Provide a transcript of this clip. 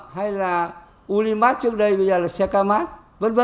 hay là ulimart trước đây bây giờ là xe camart vân vân